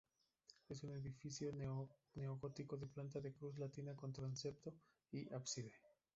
Es un edificio neogótico de planta de cruz latina, con transepto y ábside.